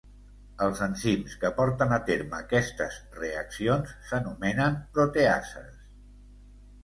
Els enzims que porten a terme aquestes reaccions s'anomenen proteases.